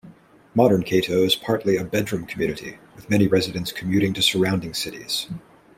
Modern Cato is partly a bedroom community, with many residents commuting to surrounding cities.